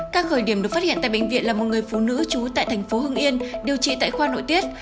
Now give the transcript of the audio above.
các khởi điểm được phát hiện tại bệnh viện là một người phụ nữ trú tại thành phố hưng yên điều trị tại khoa nội tiết